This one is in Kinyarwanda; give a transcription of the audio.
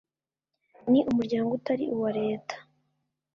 ni umuryango utari uwa Leta